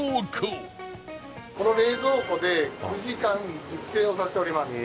この冷蔵庫で９時間熟成をさせております。